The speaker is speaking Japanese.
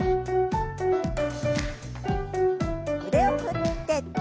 腕を振って。